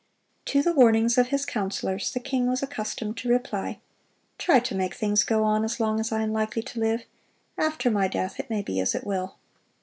To the warnings of his counselors the king was accustomed to reply, "Try to make things go on as long as I am likely to live; after my death it may be as it will."